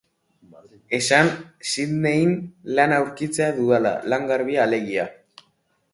Esan Sydneyn lana aurkitzea dudala, lan garbia, alegia.